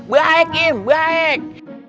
baik im baik